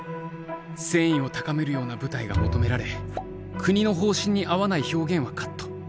戦意を高めるような舞台が求められ国の方針に合わない表現はカット。